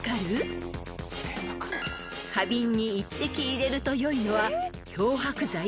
［花瓶に１滴入れるとよいのは漂白剤？